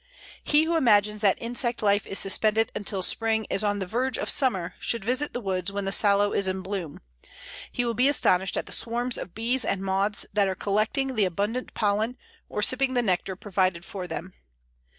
He who imagines that insect life is suspended until spring is on the verge of summer should visit the woods when the Sallow is in bloom; he will be astonished at the swarms of bees and moths that are collecting the abundant pollen or sipping the nectar provided for them.